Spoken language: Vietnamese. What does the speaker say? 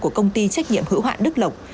của công ty trách nhiệm hữu hoạn đức lộc